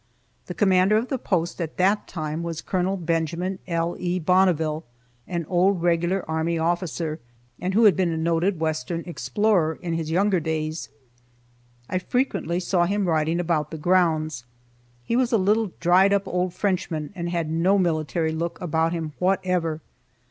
The commander of the post, at that time, was Colonel Benjamin L. E. Bonneville, an old regular army officer, and who had been a noted western explorer in his younger days. I frequently saw him riding about the grounds. He was a little dried up old Frenchman, and had no military look about him whatever.